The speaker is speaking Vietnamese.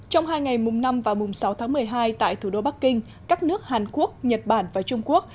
trong hai ngày mùng năm và mùng sáu tháng một mươi hai tại thủ đô bắc kinh các nước hàn quốc nhật bản và trung quốc